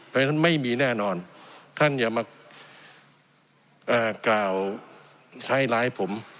เพราะฉะนั้นไม่มีแน่นอนท่านอย่ามากล่าวใช้ร้ายผม